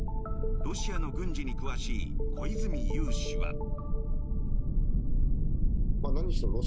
ロシアの軍事に詳しい小泉悠氏は。